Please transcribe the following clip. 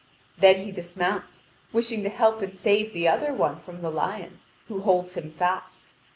Then he dismounts, wishing to help and save the other one from the lion, who holds him fast.